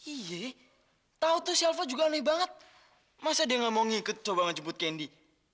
iya tau tuh si alva juga aneh banget masa dia nggak mau ngikut coba ngejemput candy